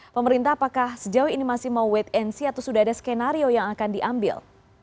pemerintah apakah sejauh ini masih mau wait and see atau sudah ada skenario yang akan diambil